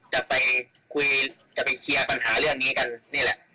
จะไปคุยจะไปเคลียร์ปัญหาเรื่องนี้กันนี่แหละ